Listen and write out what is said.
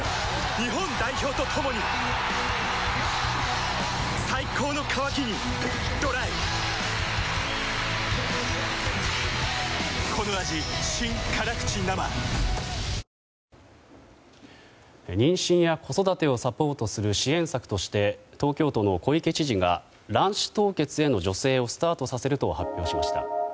日本代表と共に最高の渇きにＤＲＹ妊娠や子育てをサポートする支援策として東京都の小池知事が卵子凍結への助成をスタートさせると発表しました。